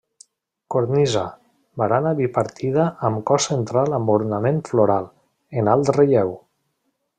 Cornisa, barana bipartida amb cos central amb ornament floral, en alt relleu.